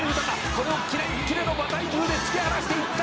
「これをキレッキレの馬体重で突き放していった」